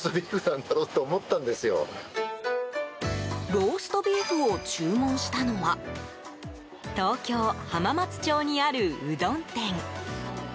ローストビーフを注文したのは東京・浜松町にあるうどん店。